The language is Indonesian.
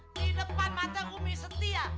di depan matanya umi setia